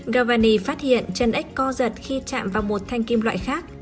gavani phát hiện chân ếch co giật khi chạm vào một thanh kim loại khác